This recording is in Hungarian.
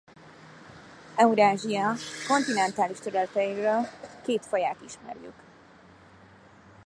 Eurázsia kontinentális területeiről két faját ismerjük.